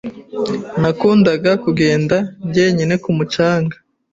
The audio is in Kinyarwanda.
Nakundaga kugenda njyenyine ku mucanga.